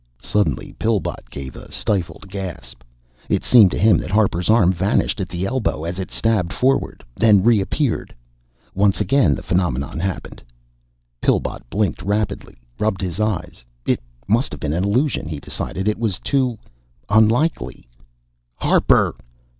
Suddenly Pillbot gave a stifled gasp. It seemed to him that Harper's arm vanished at the elbow as it stabbed forward, then reappeared. Once again the phenomenon happened. Pillbot blinked rapidly, rubbed his eyes. It must have been illusion, he decided. It was too ... unlikely.... "Harper!"